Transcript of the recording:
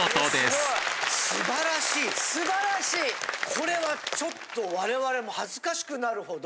これはちょっと我々も恥ずかしくなるほど。